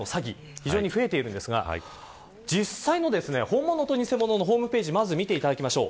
非常に増えているんですが実際の、本物と偽物のホームページをまず見ていただきましょう。